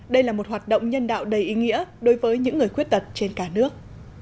đây là một hoạt động nhân đạo đầy ý nghĩa đối với những người khuyết tật trên cả nước